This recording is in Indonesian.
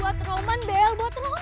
buat roman bl buat roman